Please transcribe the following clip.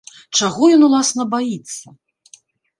Чаго ён, уласна, баіцца?